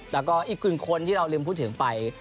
แล้วก็อีกหนึ่งคนที่เราลืมพูดถึงไป